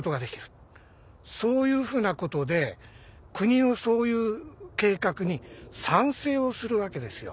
そういうふうなことで国のそういう計画に賛成をするわけですよ。